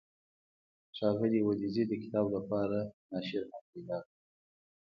ښاغلي ولیزي د کتاب لپاره ناشر هم پیدا کړ.